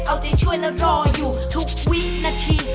เอาใจช่วยและรออยู่ทุกวินาที